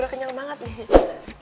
udah kenyal banget nih